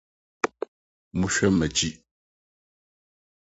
Mo hwɛ m’akyi